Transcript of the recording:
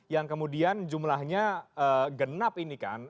yang kemudian jumlahnya genap ini kan